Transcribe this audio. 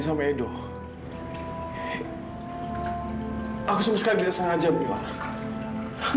kalau tidak bobo di gigitnya mu